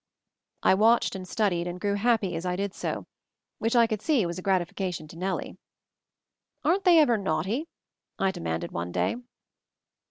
I watched and studied, and grew happy as I did so; which I could see was a gratifica tion to Nellie. "Airen't they ever naughty?" I demanded one day.